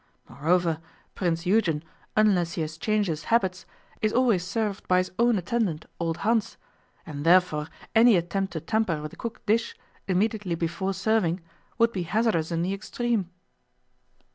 Moreover, Prince Eugen, unless he has changed his habits, is always served by his own attendant, old Hans, and therefore any attempt to tamper with a cooked dish immediately before serving would be hazardous in the extreme.